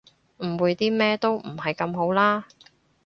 誤會啲咩都唔係咁好啦